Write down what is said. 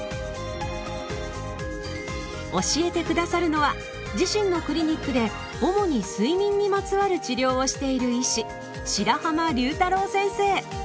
教えて下さるのは自身のクリニックで主に睡眠にまつわる治療をしている医師